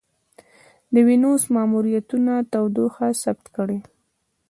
د وینوس ماموریتونه تودوخه ثبت کړې.